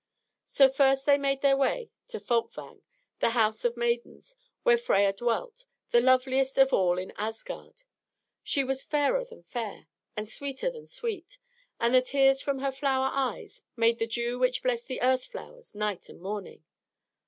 So first they made their way to Folkvang, the house of maidens, where Freia dwelt, the loveliest of all in Asgard. She was fairer than fair, and sweeter than sweet, and the tears from her flower eyes made the dew which blessed the earth flowers night and morning.